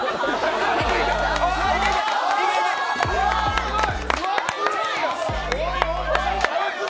すごい！